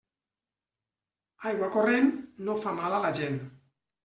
Aigua corrent no fa mal a la gent.